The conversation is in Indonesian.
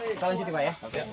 kita lanjutin pak ya